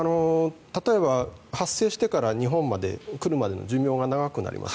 例えば発生してから日本に来るまでの寿命が長くなります。